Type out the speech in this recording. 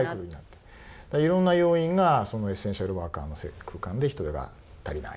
いろんな要因がエッセンシャルワーカーの空間で人手が足りない。